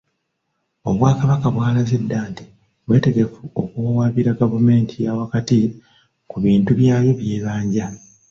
Obwakabaka bw'alaze dda nti bwetegefu okuwawaabira Gavumenti yaawakati ku bintu byayo by'ebbanja